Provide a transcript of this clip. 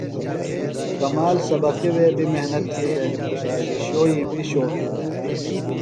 کامل سبقی وے بیۡ محنت تھی دےۡ شِشوئی بیۡ شوقی دے۔